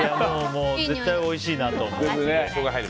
もう、絶対おいしいなと思って。